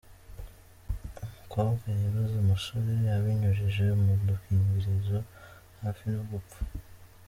Umukobwa yaroze umusore abinyujije mu dukingirizo hafi no gupfa .